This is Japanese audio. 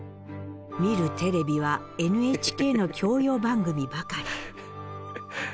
見るテレビはＮＨＫの教養番組ばかり。